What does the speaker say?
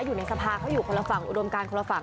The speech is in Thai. อยู่ในสภาเขาอยู่คนละฝั่งอุดมการคนละฝั่ง